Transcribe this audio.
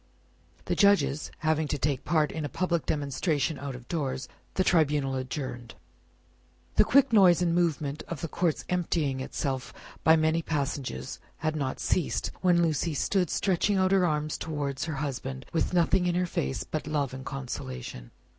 The Judges having to take part in a public demonstration out of doors, the Tribunal adjourned. The quick noise and movement of the court's emptying itself by many passages had not ceased, when Lucie stood stretching out her arms towards her husband, with nothing in her face but love and consolation.